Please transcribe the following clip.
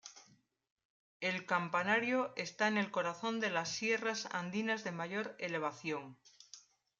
El Campanario está en el corazón de las sierras andinas de mayor elevación.